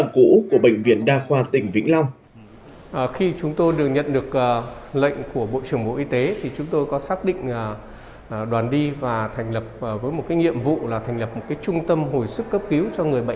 cũ của bệnh viện đa khoa tỉnh vĩnh long